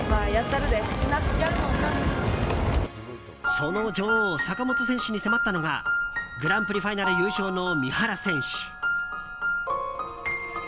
その女王坂本選手に迫ったのがグランプリファイナル優勝の三原選手。